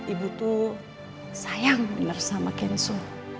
ibu tuh sayang bener sama kenso